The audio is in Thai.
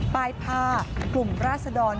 ป้ายผ้ากลุ่มราศดร